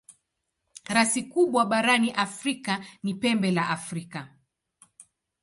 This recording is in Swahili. Rasi kubwa barani Afrika ni Pembe la Afrika.